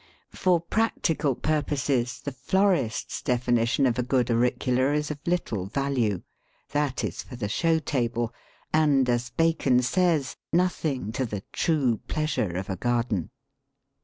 For practical purposes the florist's definition of a good Auricula is of little value; that is for the show table, and, as Bacon says, "Nothing to the true pleasure of a garden."